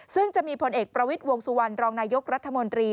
ซึ่งจะมีผลเอกประวิทย์วงสุวรรณรองนายกรัฐมนตรี